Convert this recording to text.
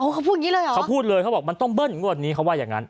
เขาพูดอย่างนี้เลยเหรอเขาพูดเลยเขาบอกมันต้องเบิ้ลงวดนี้เขาว่าอย่างนั้น